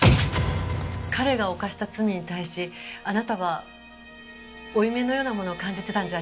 彼が犯した罪に対しあなたは負い目のようなものを感じてたんじゃありませんか？